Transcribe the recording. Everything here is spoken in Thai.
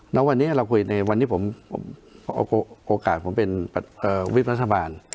แล้ววันนี้เราคุยในวันนี้ผมโอกาสผมเป็นประเอ่อวิทยาศาสตร์ทางบาน